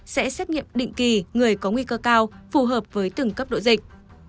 sẽ xét nghiệm định kỳ người có nguy cơ cao phù hợp với từng cấp độ dịch